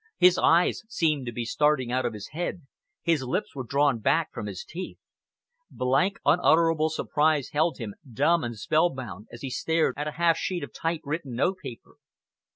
His eyes seemed to be starting out of his head, his lips were drawn back from his teeth. Blank, unutterable surprise held him, dumb and spellbound, as he stared at a half sheet of type written notepaper.